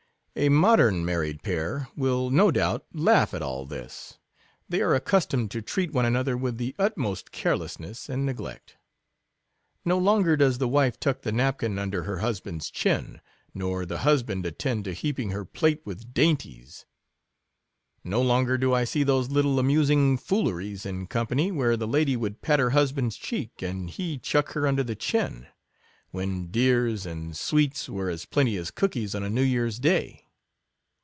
A modern married pair will, no doubt, laugh at all this; they are accustomed to treat one another with the utmost carelessness and neglect. No longer does the wife tuck the napkin under her husband's chin, nor the hus band attend to heaping her plate with dain ties ; no longer do I see those little amusing fooleries in company, where the lady would pat her husband's cheek, and he chuck her under the chin; when dears and sweets were as plenty as cookies on a new year's day.